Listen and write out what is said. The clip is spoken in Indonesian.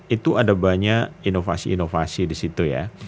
itu ada banyak inovasi inovasi disitu ya